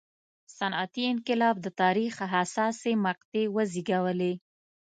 صنعتي انقلاب د تاریخ حساسې مقطعې وزېږولې.